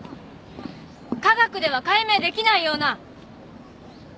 科学では解明できないような！